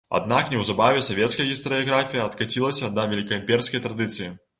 Аднак неўзабаве савецкая гістарыяграфія адкацілася да вялікаімперскай традыцыі.